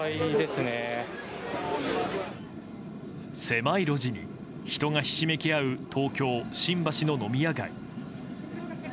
狭い路地に人がひしめき合う東京・新橋の飲み屋街。